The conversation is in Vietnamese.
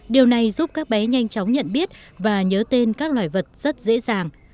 điều này giúp các bé nhanh chóng nhận biết và nhớ tên các loài vật rất dễ dàng